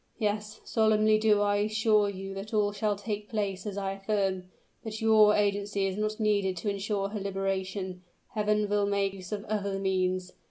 Yes solemnly do I assure you that all shall take place as I affirm. But YOUR agency is not needed to insure her liberation: Heaven will make use of OTHER means.